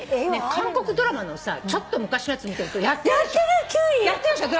韓国ドラマのさちょっと昔のやつ見てるとやってるでしょ？